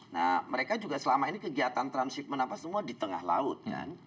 nah mereka juga selama ini kegiatan transhipment apa semua di tengah laut kan